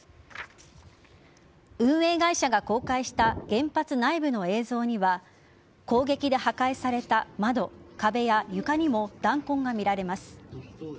運営会社が公開した原発内部の映像には攻撃で破壊された窓、壁や床にも弾痕が見られます。